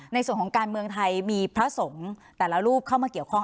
ในส่วนของการเมืองไทยมีพระสงฆ์แต่ละรูปเข้ามาเกี่ยวข้อง